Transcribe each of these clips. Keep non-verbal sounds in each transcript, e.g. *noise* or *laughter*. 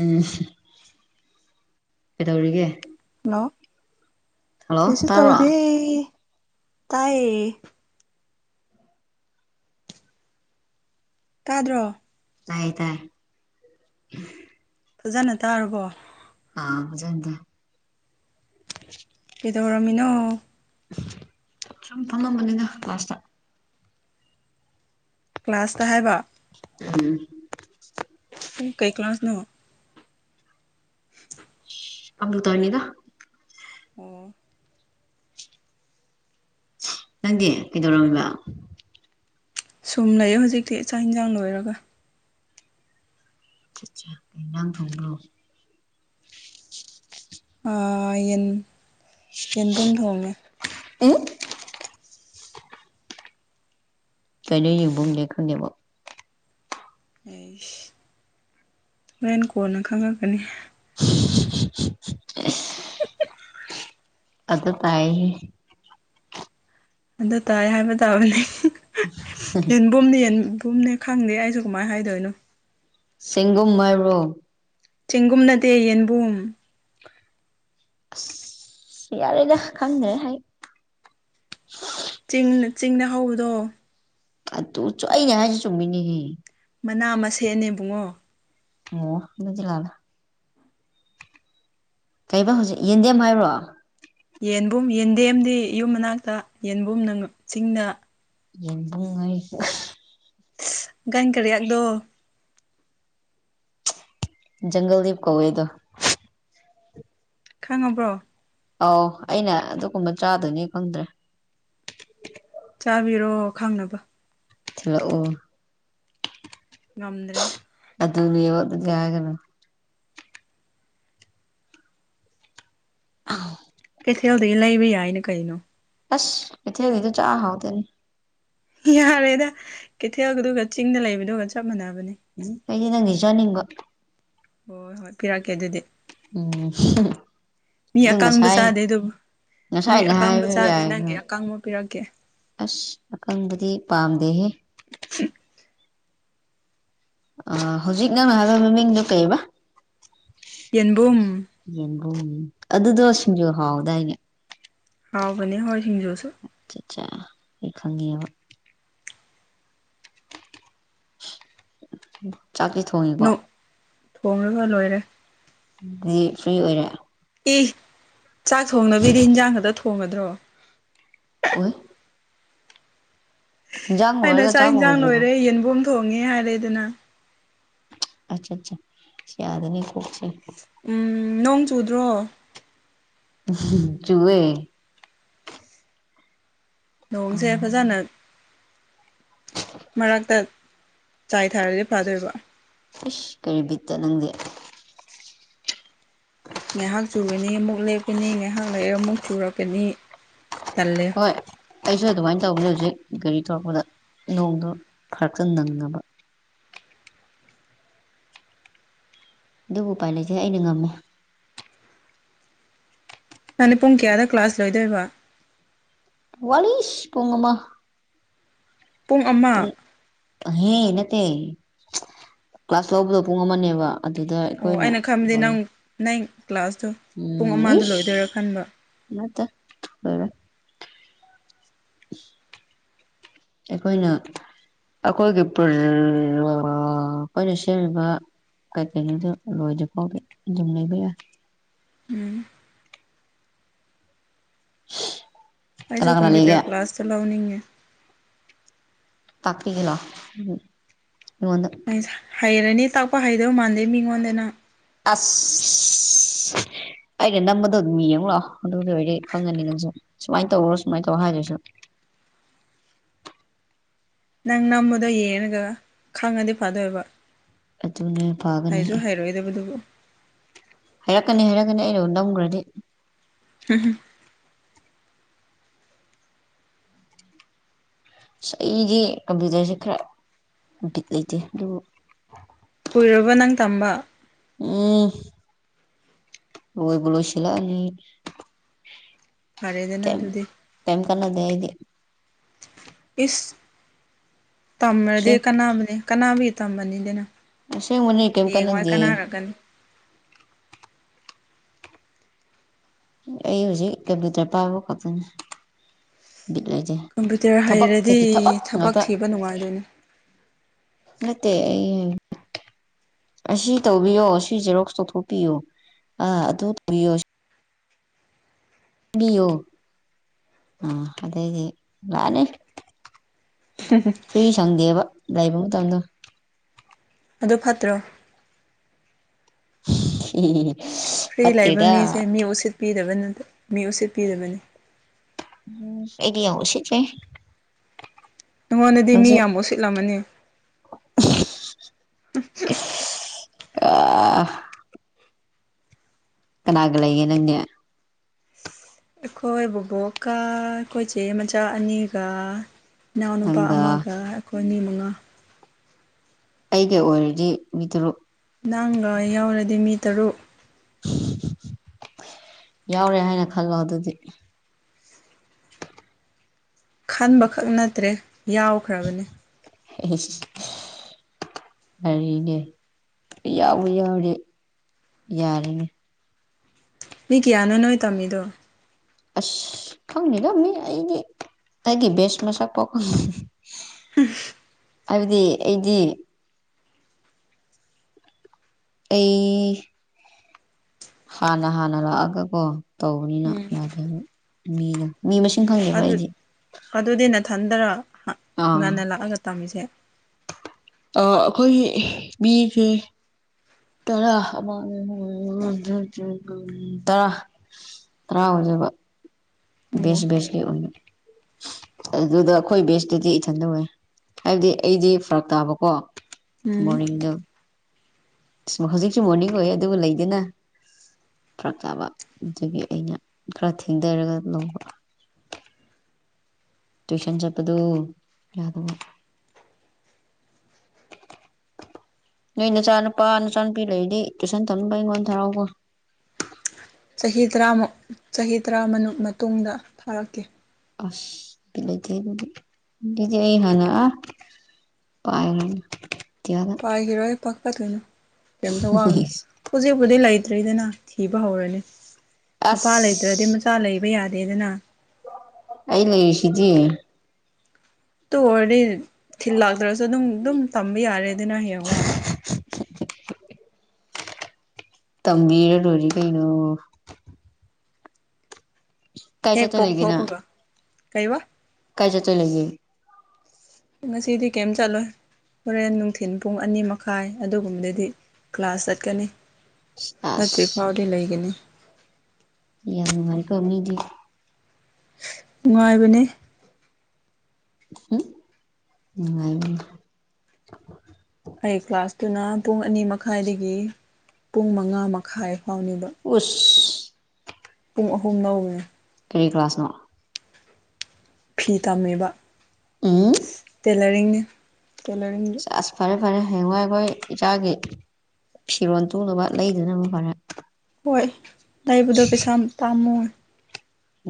ꯎꯝ ꯀꯩꯗꯧꯔꯤꯒꯦ hello hello ꯀꯩꯁꯨ ꯇꯧꯗꯦ ꯇꯥꯕ꯭ꯔꯣ ꯇꯥꯏꯌꯦ ꯀꯥꯗ꯭ꯔꯣ ꯇꯥꯏ ꯇꯥꯏ ꯐꯖꯅ ꯇꯥꯔꯕꯣ ꯑꯥ ꯃꯖꯗ ꯀꯗꯧꯔꯃꯤꯅꯣ ꯁꯨꯝ ꯐꯪꯉꯝꯕꯅꯤꯅ ꯀ꯭ꯂꯥꯁꯇ ꯀ꯭ꯂꯥꯁꯇ ꯍꯥꯏꯕ ꯎꯝ ꯑꯩ ꯀꯩ ꯀ ꯀ꯭ꯂꯁ ꯅ ꯑꯃꯨꯇꯥꯔꯅꯤꯗ ꯑꯣ ꯅꯪꯗꯤ ꯀꯩꯗꯧꯔꯝꯃꯤꯕ ꯁꯨꯝ ꯂꯩꯌꯦ ꯍꯧꯖꯤꯛꯇꯤ ꯆꯥꯛ ꯏꯟꯁꯥꯡ ꯂꯣꯏꯔꯒ ꯏꯩꯅ ꯊꯣ ꯥ ꯌꯦꯟ ꯌꯦꯟꯕꯨꯝ ꯊꯣꯡꯉꯦ ꯎꯝ ꯀꯩꯅꯣ ꯌꯦꯡꯕ ꯉꯗꯦ ꯈꯪꯗꯦꯕ ꯑꯩꯁ ꯍꯦꯟ ꯀꯣꯟꯅ ꯈꯪꯉꯛꯀꯅꯤ ꯑꯗ ꯇꯥꯏ ꯑꯗꯨ ꯇꯥꯏ ꯍꯥꯏꯕ ꯇꯥꯕꯅꯦ ꯌꯦꯟꯕꯝꯅ ꯀꯨꯝꯅꯦ ꯈꯪꯗꯦ ꯑꯩꯁꯨ ꯀꯃꯥꯏꯅ ꯍꯥꯏꯗꯣꯏꯅꯣ ꯁꯤꯒꯨꯝ ꯃꯔꯨ ꯆꯒꯨꯝꯅꯗꯦ ꯌꯦꯟꯕꯨꯝ ꯑ ꯌꯥꯔꯦꯗ ꯈꯪꯅꯍꯥꯏ ꯆꯤꯡꯅ ꯍꯧꯕꯗꯣ ꯑ ꯇꯨꯡ ꯆꯥꯏꯅꯦ ꯍꯥꯏꯖꯤ ꯆꯃꯤꯅꯤ ꯍ ꯃꯅꯥ ꯑꯃ ꯁꯦꯠꯅꯦꯕꯨꯡꯉꯣ ꯑꯣ ꯃꯖ ꯂꯗ ꯀꯩꯩꯅ ꯍꯧꯖꯤꯛ ꯌꯦꯟꯗꯦꯝ ꯍꯥꯏꯔꯣ ꯌꯦꯟꯕꯨꯝ ꯌꯦꯟꯗꯦꯝꯗꯤ ꯌꯨꯝ ꯃꯅꯥꯛꯇ ꯌꯦꯟꯕꯨꯝꯅ ꯆꯤꯡꯗ ꯌꯦꯕꯨꯡꯉꯩ ꯥꯏꯀꯔꯤꯗ ꯖꯪꯒꯜꯗꯞ ꯀꯧꯋꯦꯗ ꯈꯪꯉꯕ꯭ꯔꯣ ꯑꯥꯎ ꯑꯩꯅ ꯑꯗꯨꯒꯨꯝꯕ ꯆꯥꯗꯣꯏꯅꯤ ꯈꯪꯗ꯭ꯔꯦ ꯆꯥꯕꯤꯔꯣ ꯈꯪꯅꯕ ꯆꯂꯣ ꯑꯣ ꯉꯝꯗ꯭ꯔꯦ ꯑꯗꯨ ꯅ ꯑꯗꯨꯗꯤ ꯌꯥꯒꯅ ꯑ ꯀꯩꯊꯦꯜꯗꯒꯤ ꯂꯩꯕ ꯌꯥꯏꯅ ꯀꯩꯅꯣ ꯑꯁ ꯏꯊꯦ ꯍꯥꯏꯗꯤꯗꯨ ꯆꯥꯍꯗꯅꯤ ꯌꯥꯔꯦꯗ ꯀꯩꯊꯦꯜꯗꯨꯒ ꯆꯤꯡꯗ ꯂꯩꯕꯗꯨꯒ ꯆꯞ ꯃꯥꯟꯅꯕ ꯎꯝ ꯀꯩꯗꯤ ꯅꯪꯉꯁꯨꯅꯤꯡꯕꯣ ꯍꯣꯏ ꯍꯣꯏ ꯄꯤꯔꯛꯀꯦ ꯑꯗꯨꯗꯤ ꯎꯝ ꯃꯤ ꯑꯗꯨ ꯑꯀꯥꯡꯕ ꯉꯁꯥꯏ ꯆꯥꯗꯦ ꯑꯗꯨꯕꯨ ꯃꯤ ꯉꯁꯥꯏꯅ ꯑꯀꯥꯡꯕ ꯍꯥꯏꯕ ꯆꯥꯗꯦ ꯌꯥꯏ ꯅꯪꯒꯤ ꯑꯀꯥꯡꯕ ꯄꯤꯔꯛꯀꯦ ꯑꯁ ꯑꯀꯪꯕꯗꯤ ꯄꯥꯝꯗꯦꯍꯦ *unintelligible* ꯑ ꯍꯧꯖꯤꯛ ꯅꯪ ꯍꯥꯏꯕ ꯃꯃꯤꯡꯗꯨꯣ ꯀꯩꯔꯤꯕ ꯌꯦꯕꯨꯝ ꯑꯣ ꯑꯗꯨꯗꯣ ꯁꯤꯡꯖꯨ ꯍꯥꯎꯗꯥꯏꯅꯦ ꯍꯥꯎꯕꯅꯦ ꯍꯣꯏ ꯁꯤꯡꯖꯨꯁꯨ ꯑꯩ ꯈꯪꯉꯤꯕ ꯆꯥꯛꯁꯤ ꯊꯣꯡꯉꯤꯀꯣ ꯊꯣꯡꯂꯒ ꯂꯣꯏꯔꯦ ꯑꯗꯨꯗꯤ ꯐ꯭ꯔꯤ ꯑꯣꯏꯔꯦ ꯏ ꯆꯥꯛ ꯊꯣꯡꯕꯤꯗꯤ ꯍꯟꯖꯥꯡ ꯈꯛꯇ ꯊꯣꯡꯉꯗ꯭ꯔꯣ ꯑꯣꯏ ꯏꯟꯖꯥꯡ ꯑꯩꯅ ꯂꯣꯏꯔꯒ ꯆꯥꯛ ꯏꯟꯁꯥꯡ ꯂꯣꯏꯗ꯭ꯔꯤꯕꯣ ꯂꯣꯏꯔꯦ ꯌꯦꯟꯕꯝ ꯊꯣꯡꯉꯦ ꯍꯥꯏꯔꯦ ꯑꯗꯨꯅ ꯑꯆꯥ ꯑꯆꯥ ꯌꯥ ꯌꯥꯗꯅꯤ ꯐꯁꯤ ꯎꯝ ꯅꯣꯡ ꯆꯨꯗ꯭ꯔꯣ ꯆꯨꯑꯦ ꯑ ꯅꯣꯡꯡꯁꯦ ꯑꯦꯐꯣꯏ ꯆꯅ ꯃꯔꯥꯛꯛꯇ ꯆꯥꯏ ꯊꯥꯔꯗꯤ ꯐꯥꯗꯣꯏꯕ ꯑꯁ ꯀꯔꯤ ꯕꯤꯠꯇ ꯅꯪꯗꯤꯦ ꯉꯥꯏꯍꯥꯛ ꯆꯨꯒꯅꯤ ꯑꯃꯨꯛ ꯂꯦꯞꯀꯅꯤ ꯉꯥꯏꯍꯥꯛ ꯂꯩꯒ ꯑꯃꯨꯛ ꯆꯨꯔꯛꯀꯅꯤ ꯇꯜꯂꯦ ꯍꯣꯏ ꯑꯩꯁꯨ ꯑꯗꯨꯃꯥꯏꯅ ꯇꯧꯕꯅꯦ ꯍꯧꯖꯤꯛ ꯒꯥꯔꯤ ꯊꯧꯔꯛꯄꯗ ꯅꯣꯡꯗꯣ ꯐꯔꯛꯇ ꯅꯪꯉꯕ ꯑꯗꯨꯕꯨ ꯎꯄꯥꯏ ꯂꯩꯁꯦ ꯑꯩꯅ ꯉꯝꯃꯦ ꯅꯥꯟ ꯄꯨꯡ ꯀꯌꯥꯗ ꯀ꯭ꯂꯥꯁ ꯂꯣꯏꯗꯣꯏꯕ ꯋꯥꯂꯤꯁ ꯄꯉꯃ ꯄꯨꯡ ꯑꯃ ꯍꯦ ꯅꯠꯇꯦ ꯀ꯭ꯂꯥꯁ ꯂꯧꯕꯗꯣ ꯄꯨꯡ ꯑꯃꯅꯦꯕ ꯑꯗꯨꯗ ꯑꯣ ꯑꯩꯈꯣꯏꯅ ꯑꯩꯅ ꯈꯟꯕꯗꯤ ꯂꯣꯏ ꯅꯪ ꯅꯪ ꯀ꯭ꯂꯥꯁꯇꯣ ꯄꯨꯡ ꯎꯝ ꯑꯃꯗ ꯂꯣꯏꯗꯣꯏꯔꯥ ꯈꯟꯕ ꯏꯁ ꯑꯇꯔ *inaudible* ꯑꯩꯈꯣꯏꯅ ꯑꯈꯣꯏꯒꯤ ꯏ ꯑꯩꯣꯏꯅꯁ ꯀꯩ ꯀꯅꯤꯗ ꯔꯣꯖ ꯐꯥꯎ ꯨꯝꯅꯤ ꯄ ꯎꯝ *inaudible* ꯑꯩꯁꯨ ꯀꯅꯥ ꯂꯩꯒꯦ ꯀꯝꯄ꯭ꯨꯇꯔ ꯀ꯭ꯂꯥꯁ ꯆ ꯂꯧꯥꯎꯅꯤꯡꯉꯦ ꯄꯥꯂ ꯏꯕꯗ ꯍꯩꯔꯅꯤ ꯇꯥꯛꯄ ꯍꯩꯗꯕ ꯃꯥꯟꯗꯦ ꯃꯤꯉꯣꯟꯗꯅ ꯑꯐ ꯑꯩꯩꯅ ꯅꯝꯕꯗꯣ ꯑꯗꯨꯝ ꯃꯤ ꯌꯦꯡꯛꯑꯣ ꯑꯗꯨꯗ ꯑꯣꯏꯔ ꯈꯪꯒꯅꯤ ꯅꯅꯁꯨ ꯁꯨꯃꯥꯏꯅ ꯇꯧꯔꯣ ꯁꯨꯃꯥꯏꯅ ꯇꯧꯔꯣ ꯍꯥꯏꯗꯣꯏꯁꯨ *inaudible* ꯅꯪ ꯅꯝꯕꯗꯣ ꯌꯦꯡꯉꯒ ꯈꯪꯉꯗꯤ ꯐꯥꯗꯣꯏꯕ ꯑꯗꯨꯅ ꯐꯒꯅꯤ ꯍꯥꯏꯁꯨ ꯑꯦ ꯍꯥꯏꯔꯣꯏꯗꯕꯗꯨꯕꯨ ꯍꯥꯏꯔꯛꯀꯅꯤ ꯍꯥꯏꯔꯛꯀꯅꯤ ꯑꯩꯩꯅ ꯅꯝꯈ꯭ꯔꯗꯤ ꯍꯝ ꯍꯝ ꯁ ꯑꯩꯗꯤ ꯀꯝꯄ꯭ꯌꯨꯇꯔꯁꯦ ꯈꯔ ꯎꯄꯤꯠ ꯂꯩꯇꯦ ꯑꯗꯨꯕꯨ ꯀꯨꯏꯔꯕ ꯅꯪ ꯇꯝꯕ ꯎꯝ ꯋꯥꯣꯏꯕꯨ ꯁꯤꯂ ꯐꯔꯦꯗꯅ ꯑꯗꯨꯗꯤ ꯀꯂꯗꯦ ꯍꯥꯏꯗꯤ ꯏꯁ ꯇꯃꯗ ꯑꯁꯦꯡ ꯀꯅꯥꯕꯅꯦ ꯀꯅꯥꯕꯤ ꯇꯃꯅꯤꯗꯅ ꯑꯁꯦꯡꯕꯅꯤ ꯀꯩꯝ ꯍꯡꯉꯣ ꯍ ꯀꯥꯟꯅꯗꯦ ꯀꯅꯥꯔꯛꯀꯅꯤ ꯑ ꯍꯧꯖꯤ ꯀꯝꯄꯨꯇꯔ ꯄꯥꯥꯎ ꯀꯇꯅꯦ ꯕꯤꯠ ꯂꯩꯖꯩ ꯀꯝꯄ꯭ꯌꯨꯇꯔ ꯊꯕꯛ ꯁꯀꯤ ꯊꯕ ꯍꯩꯔꯗꯤ ꯊꯕꯛ ꯉꯥꯛꯇ ꯊꯤꯕ ꯅꯨꯡꯉꯥꯏꯗꯣꯏꯅꯤ ꯃꯠꯇꯦ ꯑꯁꯤ ꯇꯧꯕꯤꯌꯣ ꯁꯤ ꯖꯦꯔꯣꯛꯁ ꯇꯧꯊꯣꯛꯄꯤꯌꯣ ꯑꯥ ꯑꯗꯨ ꯇꯧꯕꯤꯌꯣ ꯣ ꯑ ꯑꯗꯦ ꯂꯅꯦꯦ ꯐ꯭ꯔꯤ ꯁꯪꯗꯦꯕ ꯂꯩꯕ ꯃꯇꯝꯗ ꯑꯗꯨ ꯐꯠꯇ꯭ꯔꯣ ꯎꯝ ꯐ꯭ꯔꯤ ꯂꯩꯥꯛꯕ ꯃꯤꯁꯦ ꯃꯤ ꯎꯁꯤꯠꯄꯤꯗꯕ ꯅ ꯃꯤ ꯎꯁꯤꯠꯄꯤꯗꯕꯅꯤ ꯎꯝ ꯑꯦꯗꯤ ꯑꯣ ꯎꯆꯦꯁꯦ ꯅꯉꯣꯟꯗꯗꯤ ꯃꯤ ꯌꯥꯝ ꯑꯣꯠꯁꯤꯠꯂꯝꯃꯅꯤ ꯑ ꯀꯅꯥꯒ ꯂꯩ ꯌꯦꯅꯅꯦ ꯑꯩꯈꯣꯏ ꯕꯕꯣꯛꯀ ꯑꯩꯈꯣꯏꯆꯦ ꯃꯆꯥ ꯑꯅꯤꯒ ꯏꯅꯥꯎꯅꯨꯄꯥ ꯅꯪꯒ ꯑꯃꯒ ꯑꯩꯈꯣꯏ ꯑꯅꯤ ꯃꯉꯥ ꯑꯩꯒ ꯑꯣꯏꯔꯗꯤ ꯃꯤꯇꯔꯨꯛ ꯅꯪꯒ ꯌꯥꯎꯔꯗꯤ ꯃꯤ ꯇꯔꯨꯛ ꯌꯥꯎꯔꯦ ꯍꯥꯏꯅ ꯈꯜꯂꯣ ꯑꯗꯨꯗꯤ ꯈꯟꯕꯈꯛ ꯅꯠꯇ꯭ꯔꯦ ꯌꯥꯎꯈ꯭ꯔꯕꯅꯦ ꯑ ꯍꯥꯏꯔꯤꯅꯦ ꯌꯥꯎꯋ ꯌꯥꯎꯔꯦ ꯌꯥꯔꯅꯤ ꯃꯤ ꯀ꯭ꯌꯥꯅꯣ ꯅꯣꯏ ꯇꯝꯃꯤꯗꯣ ꯑꯁ ꯈꯪꯅꯤꯒ ꯃꯤ ꯑꯩꯒꯤ ꯑꯩꯒꯤ ꯕꯦꯁ ꯃꯁꯥꯛ ꯄꯥꯎ *inaudible* ꯍꯥꯏꯕꯗꯤ ꯑꯩꯗꯤ ꯑꯩ ꯍꯥꯟꯅ ꯍꯥꯟꯅ ꯂꯥꯛꯑꯒꯀꯣ ꯇꯧꯕꯅꯤꯅ ꯎꯝ ꯌꯥꯗꯦ ꯑꯗꯨ ꯃꯤꯗ ꯃꯤ ꯃꯁꯤꯡ ꯈꯪꯉꯦꯕ ꯑꯩꯗꯤ ꯊꯟꯗꯔ ꯑꯥ ꯉꯟꯅ ꯂꯥꯛꯑꯒ ꯇꯝꯃꯤꯁꯦ ꯑ ꯑꯩꯈꯣꯏ ꯃꯤꯕꯤꯁꯦ ꯇꯔꯥ ꯇꯔꯥ ꯇꯔꯥ ꯑꯣꯏꯖꯕ ꯑꯣ ꯕꯦꯁ ꯕꯦꯁꯀꯤ ꯑꯣꯏ ꯑꯗꯨꯗ ꯑꯩꯈꯣꯏ ꯕꯦꯁꯇꯨꯗꯤ ꯏꯊꯟ ꯇꯧꯋꯦ ꯍꯥꯏꯕꯗꯤ ꯑꯩꯗꯤ ꯐꯔꯛ ꯇꯥꯕꯀꯣ ꯎꯝ ꯃꯣꯣꯔꯜꯗ ꯍꯧꯖꯤꯛꯁꯨ ꯃꯣꯔꯅꯤꯡ ꯑꯣꯏ ꯑꯗꯨꯕꯨ ꯂꯩꯗꯅ ꯄꯔꯛ ꯆꯥꯕ ꯑꯗꯨꯒꯤ ꯑꯩꯅ ꯈꯔ ꯊꯦꯡꯊꯔꯒ ꯂꯧꯕ ꯇꯨꯁꯟ ꯆꯄꯗꯨ ꯌꯥꯗꯕ *inaudible* ꯅꯣꯏ ꯅꯆꯥꯅꯨꯄꯥ ꯅꯆꯥꯅꯨꯄꯤ ꯂꯩꯔꯤꯗꯤ ꯇꯨꯏꯁꯟ ꯊꯝꯅꯤꯡꯕ ꯑꯩꯉꯣꯟꯗ ꯊꯔꯥꯎꯕ ꯆꯍꯤ ꯇꯔꯥꯃꯨꯛ ꯆꯍꯤ ꯇꯔꯥꯃ ꯃꯇꯨꯡꯗ ꯐꯥꯔꯛꯀ ꯑꯁꯂꯖ ꯍꯅ ꯄꯥꯏ ꯄꯥꯏꯈꯤꯔꯣꯏ ꯄꯥꯀꯗꯣꯏꯅꯣ ꯀꯩꯝꯇ ꯋꯥꯡꯅꯨ ꯍꯧꯖꯤꯛꯄꯨꯗꯤ ꯂꯩꯇ꯭ꯔꯤꯗꯅ ꯊꯤꯕ ꯍꯧꯔꯅꯤ ꯃꯄꯥ ꯑꯁ ꯂꯩꯇ꯭ꯔꯗꯤ ꯃꯆꯥ ꯂꯩꯕ ꯌꯥꯗꯦꯗꯅ ꯑꯩ ꯂꯩꯔꯤꯁꯤꯗꯤ ꯇ ꯑꯣꯏꯔꯗꯤ ꯊꯤꯜꯂꯛꯇ꯭ꯔꯁꯨ ꯑꯗꯨꯝ ꯑꯗꯨꯝ ꯇꯝꯕ ꯌꯥꯔꯦ ꯑꯗꯨꯅ ꯍꯌꯦꯡ ꯋꯥꯏ *inaudible* ꯇꯝꯕꯤꯔꯣꯔꯤ ꯀꯩꯅꯩꯅꯣ ꯍꯦꯛ ꯄꯣꯒ ꯂꯩꯒꯦ ꯅꯪ ꯍꯣꯕꯒ ꯀꯩ ꯋꯥ ꯀꯥꯏ ꯆ ꯆ ꯂꯩꯒ ꯃ ꯁꯤꯗꯤꯤ ꯀꯦꯝ ꯆꯂꯣꯏ ꯍꯣꯔꯦꯟ ꯅꯨꯡꯊꯤꯤꯟ ꯄꯨꯡ ꯑꯅꯤ ꯃꯈꯥꯏ ꯑꯗꯨꯒꯨꯝꯕꯗꯗꯤ ꯀ꯭ꯂꯥꯁ ꯆꯠꯀꯅꯤ ꯑꯁ ꯐꯆꯔꯤ ꯐꯥꯎꯗꯤ ꯂꯩꯒꯅꯤ ꯌꯥꯝꯉꯔ ꯀꯃꯤꯗꯤ ꯅꯨꯡꯉꯥꯏꯕꯅꯦ ꯎꯝ ꯎꯉ ꯑꯗꯨꯨꯅ ꯄꯨꯡ ꯑꯅꯤ ꯃꯈꯥꯏꯗꯒꯤ ꯄꯨꯡ ꯃꯉꯥ ꯃꯈꯥꯏ ꯐꯥꯎꯅꯦꯕ ꯎꯁ ꯄꯨꯡ ꯑꯍꯨꯝ ꯅꯧꯕꯅꯦ ꯀꯔꯤ ꯀ꯭ꯂꯥꯁꯅꯣ ꯐꯤ ꯇꯝꯃꯦꯕ ꯎꯝ ꯇꯦꯂꯔꯤꯡꯅꯤ ꯀꯦꯂꯔꯤꯡ ꯑꯁ ꯐꯔꯦ ꯐꯔꯦ ꯍꯌꯦꯡꯋꯥꯏ ꯑꯩꯈꯣꯏ ꯏꯆꯥꯒꯤ ꯐꯤꯔꯣꯟꯜ ꯇꯨꯅꯕ ꯂꯩꯗꯅꯕ ꯐꯔꯦ ꯍꯣꯏ ꯗꯥꯏꯕꯗꯣ ꯄꯩꯁꯥ ꯇꯥꯝꯃꯨ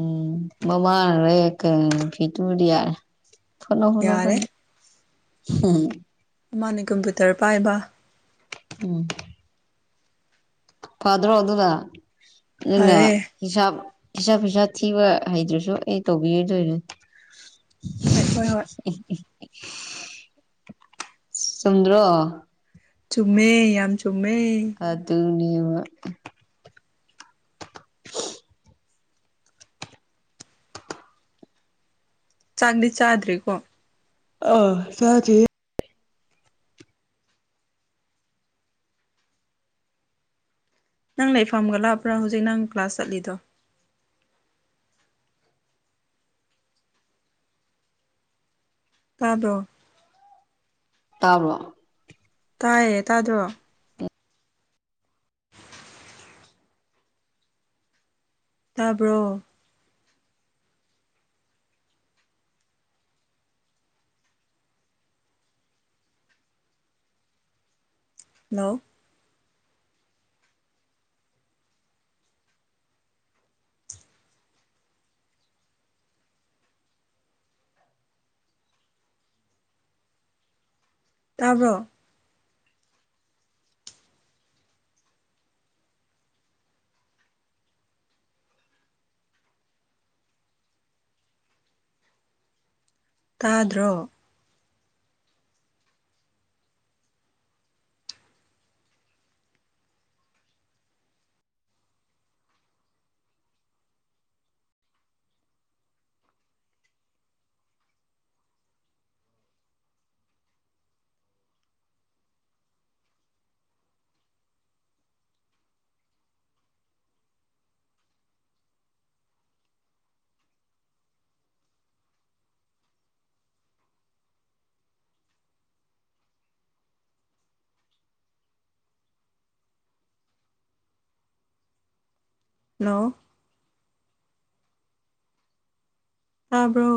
ꯎꯝ ꯃꯕꯥꯔ ꯔꯦ ꯀ ꯐꯤꯇꯕꯨꯔ ꯌꯥꯔ ꯊꯂꯣ ꯌꯥꯔꯦ ꯈꯨꯂꯣꯅꯤ ꯃꯥꯅꯦ ꯀꯝꯄ꯭ꯌꯨꯇꯔ ꯄꯥꯏꯕ ꯎꯝ ꯐꯗ꯭ꯔꯣ ꯑꯗꯨ ꯑꯗꯨꯗ ꯐꯔꯦ ꯍꯤꯁꯥꯞ ꯄꯩꯁꯥ ꯐꯁꯥ ꯊꯤꯕ ꯍꯩꯗ꯭ꯔꯁꯨ ꯑꯩ ꯇꯧꯕꯤꯔꯗꯣꯏꯔ ꯍꯣꯏ ꯍꯣꯏ ꯍꯣꯏ ꯁꯨꯝꯗ꯭ꯔꯣ ꯆꯨꯝꯃꯦ ꯌꯥꯝ ꯆꯨꯝꯃꯦ ꯌꯦꯉ ꯆꯥꯛꯗꯤ ꯆꯥꯗ꯭ꯔꯤꯀꯣ ꯑ ꯆ ꯅꯪ ꯂꯩꯐꯝꯒ ꯂꯥꯛꯄ꯭ꯔꯥ ꯍꯧꯖꯤꯛ ꯅꯪ ꯀ꯭ꯂꯥꯁ ꯆꯠꯂꯤꯗꯣ ꯇꯥꯗꯣ ꯇꯥꯕ꯭ꯔꯣ ꯇꯥꯏꯌꯦ ꯇꯥꯗ꯭ꯔꯣ ꯇꯥꯕ꯭ꯔꯣ ꯍꯜꯂꯣ ꯇꯥꯕꯣ ꯇꯥꯗ꯭ꯔꯣ ꯅ ꯇꯥꯕ꯭ꯔꯣ